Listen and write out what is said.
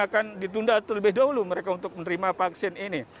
akan ditunda terlebih dahulu mereka untuk menerima vaksin ini